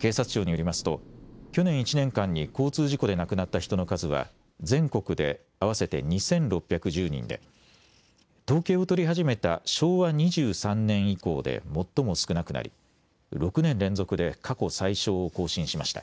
警察庁によりますと去年１年間に交通事故で亡くなった人の数は全国で合わせて２６１０人で統計を取り始めた昭和２３年以降で最も少なくなり６年連続で過去最少を更新しました。